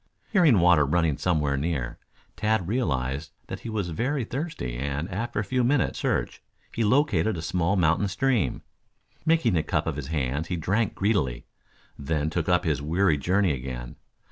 Hearing water running somewhere near, Tad realized that he was very thirsty, and after a few minutes' search, he located a small mountain stream. Making a cup of his hands he drank greedily, then took up his weary journey again.